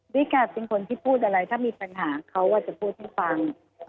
ค่ะเป็นคนที่พูดอะไรถ้ามีปัญหาเขาก็จะพูดให้ฟัง